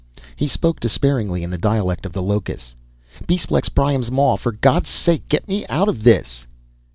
He spoke despairingly in the dialect of the locus, "Besplex Priam's Maw, for God's sake get me out of this!"